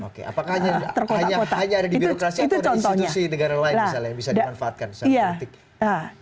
apakah hanya ada di birokrasi atau ada di institusi negara lain yang bisa dimanfaatkan